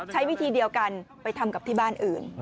ใช้วิธีเดียวกันไปทำกับที่บ้านอื่น